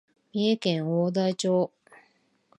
三重県大台町